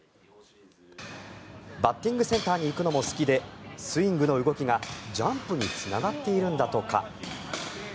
バッティングセンターに行くのも好きで、スイングの動きがジャンプにつながっているんだとか。